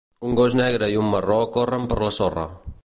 Un gos negre i un marró corren per la sorra.